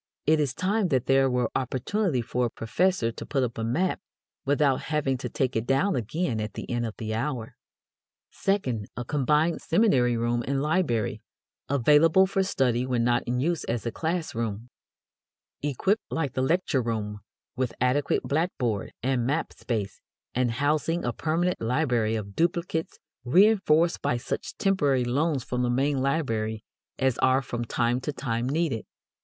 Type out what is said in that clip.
It is time that there were opportunity for a professor to put up a map without having to take it down again at the end of the hour. Second, a combined seminary room and library, available for study when not in use as a class room; equipped, like the lecture room, with adequate blackboard and map space, and housing a permanent library of duplicates reënforced by such temporary loans from the main library as are from time to time needed.